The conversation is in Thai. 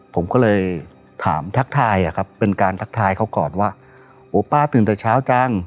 ผมก็เลยถามทักทายอะครับเป็นการทักทายเขาก่อนว่าโอ้ป้าตื่นแต่เช้าจัง